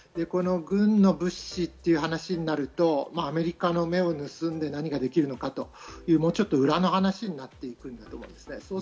軍の物資という話になると、アメリカの目を盗んで何かできるのかという、もうちょっと裏の話になってくると思います。